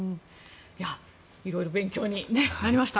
いろいろと勉強になりました。